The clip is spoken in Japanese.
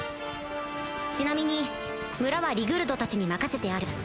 ちなみに村はリグルドたちに任せてある